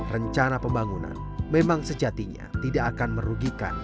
rencana pembangunan memang sejatinya tidak akan merugikan